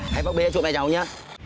hãy bác bê cho chụp mẹ cháu nhé